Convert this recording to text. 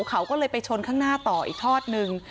เขาก็เลยไปชนข้างหน้าต่ออีกทอดนึง